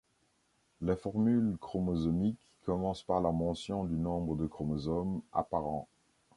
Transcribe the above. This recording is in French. La formule chromosomique commence par la mention du nombre de chromosomes apparents.